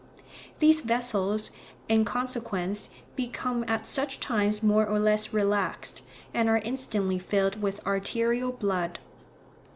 These vessels, in consequence, become at such times more or less relaxed, and are instantly filled with arterial blood.